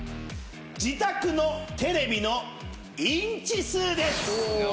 自宅のテレビのインチ数です。